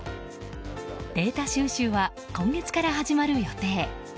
データ収集は今月から始まる予定。